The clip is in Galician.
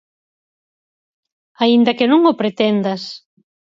Aínda que non o pretendas.